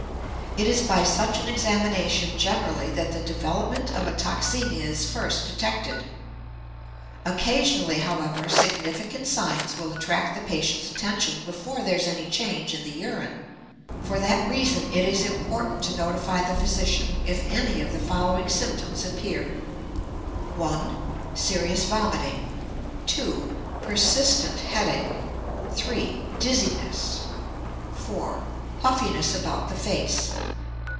It is by such an examination generally that the development of a toxemia is first detected. Occasionally, however, significant signs will attract the patient's attention before there is any change in the urine. For that reason, it is important to notify the physician if any of the following symptoms appear: (1) Serious vomiting. (2) Persistent headache. (3) Dizziness. (4) Puffiness about the face.